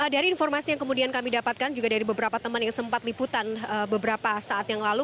dari informasi yang kemudian kami dapatkan juga dari beberapa teman yang sempat liputan beberapa saat yang lalu